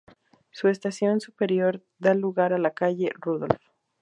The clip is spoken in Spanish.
Su estación superior da lugar a la calle Rudolph.